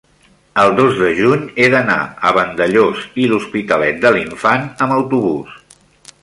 el dos de juny he d'anar a Vandellòs i l'Hospitalet de l'Infant amb autobús.